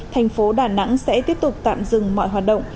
thành phố đà nẵng sẽ tiếp tục tạm dừng mọi hoạt động